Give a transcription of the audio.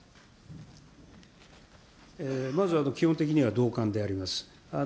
まず基本的には同感であります。